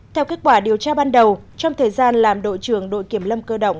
theo kết quả điều tra ban đầu trong thời gian làm đội trưởng đội kiểm lâm cơ động